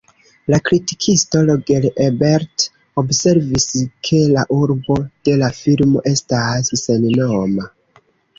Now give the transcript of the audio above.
La kritikisto Roger Ebert observis ke la urbo de la filmo estas sennoma.